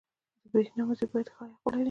• د برېښنا مزي باید ښه عایق ولري.